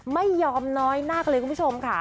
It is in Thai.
ไม่ยอมน้อยหน้ากันเลยคุณผู้ชมค่ะ